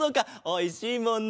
おいしいもんな！